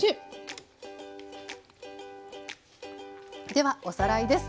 ではおさらいです。